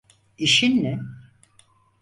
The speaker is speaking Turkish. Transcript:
İşin ne?